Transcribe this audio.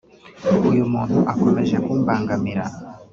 uyu muntu akomeje kumbangamira”